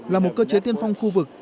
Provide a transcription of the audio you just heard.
là một cơ chế tiên phong khu vực